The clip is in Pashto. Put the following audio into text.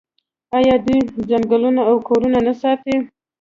آیا دوی ځنګلونه او کورونه نه ساتي؟